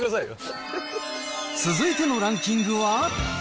続いてのランキングは？